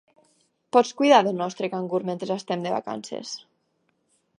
Pots cuidar del nostre cangur mentre estem de vacances?